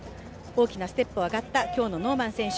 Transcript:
大きなステップを上がった今日のノーマン選手